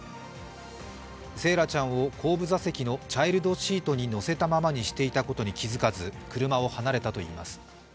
惺愛ちゃんを後部座席のチャイルドシートに乗せたままにしていたことに気づかず車を離れたといいます。